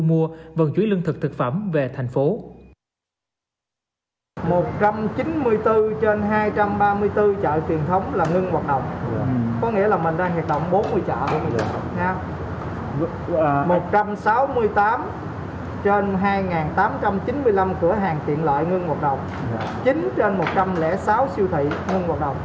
mua vận chuyển lương thực thực phẩm về thành phố